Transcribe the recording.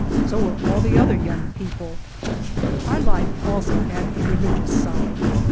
So were all the other young people. Our life also had a religious side.